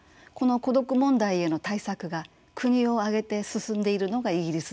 この孤独問題への対策が国を挙げて進んでいるのがイギリスです。